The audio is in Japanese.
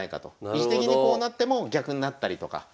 位置的にこうなっても逆になったりとか。